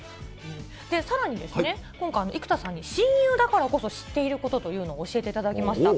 さらに、今回、生田さんに親友だからこそ知っていることというのを教えていただきました。